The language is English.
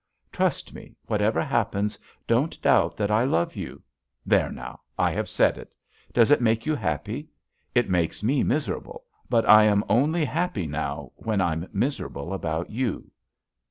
Trust me — ^whatever happens don't doubt that I love you. There now! I have said it. Does it makt JUST SWEETHEARTS you happy? It makes me miserable, but I am only happy now when I'm miserable about you.